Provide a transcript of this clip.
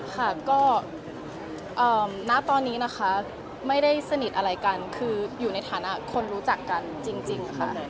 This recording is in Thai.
ค่ะก็ณตอนนี้นะคะไม่ได้สนิทอะไรกันคืออยู่ในฐานะคนรู้จักกันจริงค่ะ